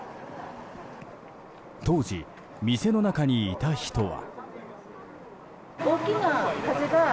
当時、店の中にいた人は。